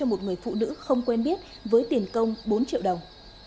một người phụ nữ không quen biết với tiền công bốn triệu đồng